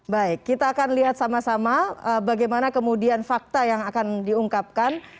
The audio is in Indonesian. baik kita akan lihat sama sama bagaimana kemudian fakta yang akan diungkapkan